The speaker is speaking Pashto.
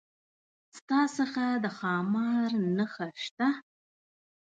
ستا څخه د ښامار نخښه شته؟